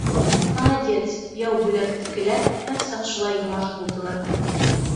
— Молодец, Яубүләктекеләр һәр саҡ шулай йомарт булдылар.